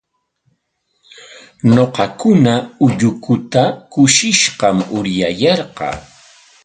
Ñuqakuna ullukuta kushishqam uryayarqaa.